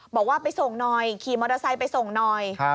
บอกว่าไปส่งหน่อยขี่มอเตอร์ไซค์ไปส่งหน่อย